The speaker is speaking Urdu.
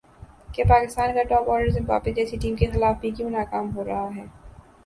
کہ پاکستان کا ٹاپ آرڈر زمبابوے جیسی ٹیم کے خلاف بھی کیوں ناکام ہو رہا ہے